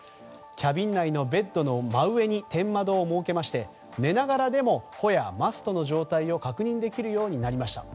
キャビン内のベッドの真上に天窓を設けまして寝ながらでも帆やマストの状態を確認できるようになりました。